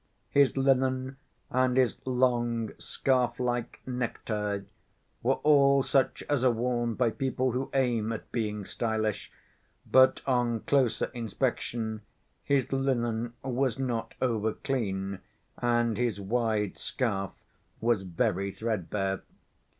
His linen and his long scarf‐like neck‐tie were all such as are worn by people who aim at being stylish, but on closer inspection his linen was not over‐clean and his wide scarf was very threadbare.